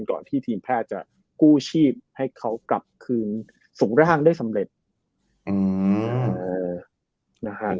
ก่อนที่ทีมแพทย์จะกู้ชีพให้เขากลับคืนส่งร่างได้สำเร็จอืมนะฮะ